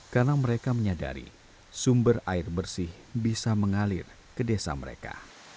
karena mereka menyadari sumber air bersih bisa mengalir ke desa mereka